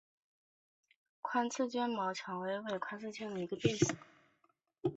宽刺绢毛蔷薇为蔷薇科蔷薇属绢毛蔷薇下的一个变型。